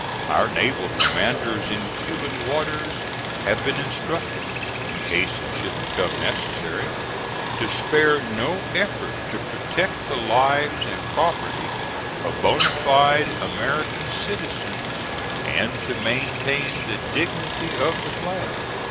Our naval commanders in Cuban waters have been instructed, in case it should become necessary, to spare no effort to protect the lives and property of bona fide American citizens and to maintain the dignity of the flag.